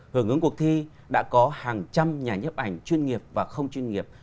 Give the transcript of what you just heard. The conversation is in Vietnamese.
hưởng ứng cuộc thi đã có hàng trăm nhà nhấp ảnh chuyên nghiệp và không chuyên nghiệp